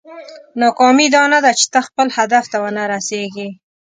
ناکامي دا نه ده چې ته خپل هدف ته ونه رسېږې.